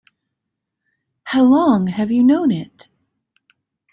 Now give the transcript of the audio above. How long have you known it?